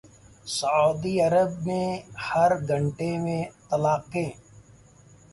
سعودی عرب میں ہر گھنٹے میں طلاقیں